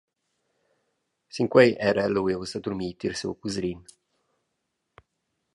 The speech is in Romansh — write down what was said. Sinquei era el lu ius a durmir tier siu cusrin.